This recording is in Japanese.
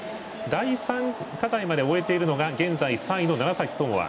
第３課題まで終えているのが現在３位の楢崎智亜